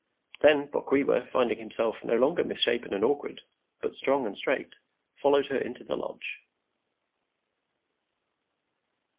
Then Bokwewa, finding himself no longer misshapen and awkward, but strong and straight, followed her into the lodge.